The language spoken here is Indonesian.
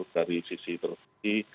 dari sisi tersebut